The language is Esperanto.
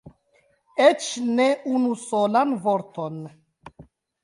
Eĉ ne unu solan vorton!